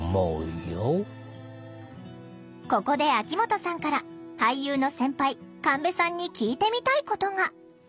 ここで秋元さんから俳優の先輩神戸さんに聞いてみたいことが。